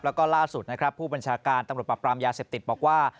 แล้วก็ล่าสุดนะครับผู้บัญชาการตำรวจปรับปรามยาเสพติดบอกว่า